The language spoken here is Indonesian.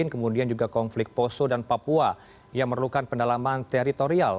kemudian juga konflik poso dan papua yang memerlukan pendalaman teritorial